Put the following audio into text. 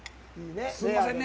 すいませんね。